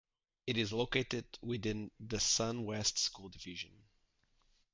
It is located within the Sun West School Division.